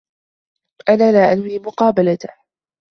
أنا لا أنوي مقابلته.